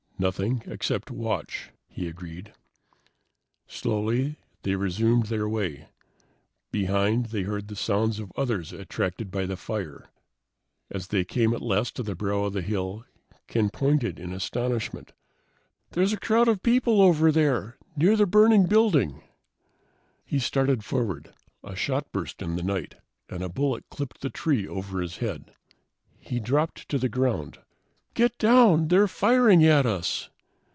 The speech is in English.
"Nothing except watch," he agreed. Slowly, they resumed their way. Behind, they heard the sounds of others attracted by the fire. As they came at last to the brow of the hill, Ken pointed in astonishment. "There's a crowd of people over there! Near the burning building!" He started forward. A shot burst in the night, and a bullet clipped the tree over his head. He dropped to the ground. "Get down! They're firing at us!"